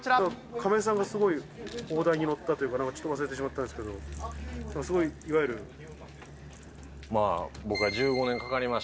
亀井さんがすごい大台に乗ったというか、ちょっと忘れてしまったんですけど、なんかすごい、まあ、僕は１５年かかりまし